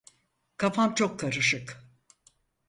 Kafam çok karışık.